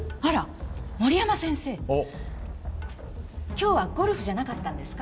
今日はゴルフじゃなかったんですか？